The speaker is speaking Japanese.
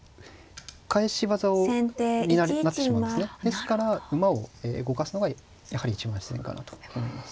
ですから馬を動かすのがやはり一番自然かなと思います。